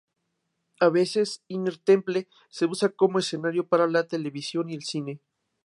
A veces Inner Temple se usa como escenario para la televisión y el cine.